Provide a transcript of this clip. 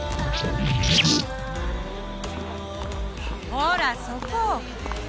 ほらそこ！